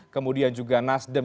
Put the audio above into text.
kemudian juga nasdem